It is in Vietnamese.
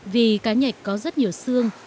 vì cá nhạch có rất nhiều xương